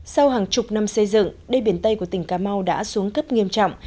sau hàng chục năm xây dựng đê biển tây của tỉnh cà mau đã xuống cấp nghiêm trọng